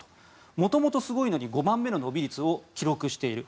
元々、すごいのに５番目の伸び率を記録している。